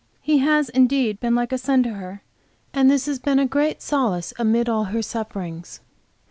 He, has indeed been like a son to her, and this has been a great solace amid all her sufferings.